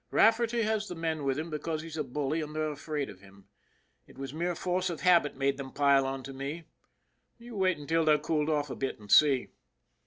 Rafferty has the men with him because he's a bully and they're afraid of him. It was mere force of habit made them pile on to me. You wait until they're cooled off a bit and see."